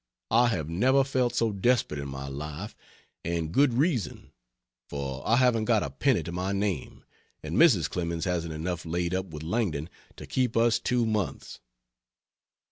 I have never felt so desperate in my life and good reason, for I haven't got a penny to my name, and Mrs. Clemens hasn't enough laid up with Langdon to keep us two months."